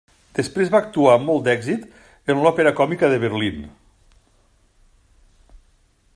Després va actuar, amb molt d'èxit, en l'Òpera Còmica de Berlín.